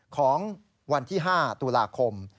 ของวันที่๕ตุลาคม